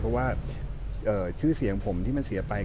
เพราะว่าชื่อเสียงผมที่มันเสียไป